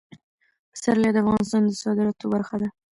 پسرلی د افغانستان د صادراتو برخه ده.